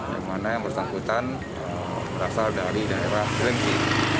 yang mana yang bersangkutan berasal dari daerah kelengki